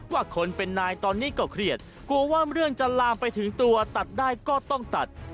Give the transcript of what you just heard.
ว่าคนเป็นนายตอนนี้ก็เครียดกลัวว่าเรื่องจะลามไปถึงตัวตัดได้ก็ต้องตัด